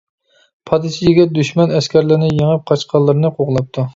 پادىچى يىگىت دۈشمەن ئەسكەرلىرىنى يېڭىپ، قاچقانلىرىنى قوغلاپتۇ.